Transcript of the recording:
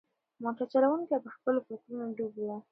موټر چلونکی په خپلو فکرونو کې ډوب و.